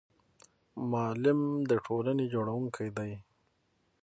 معلم د ټولنې جوړونکی دی